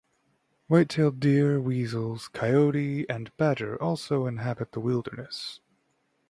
White-tailed deer, weasels, coyote and badger also inhabit the wilderness.